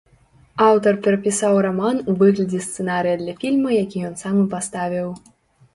Аўтар перапісаў раман у выглядзе сцэнарыя для фільма, які ён сам і паставіў.